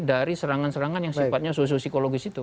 dari serangan serangan yang sifatnya sosio psikologis itu